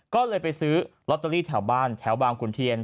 ก็เลยไปซื้อลอตเตอรี่แถวบ้านแถวบางขุนเทียน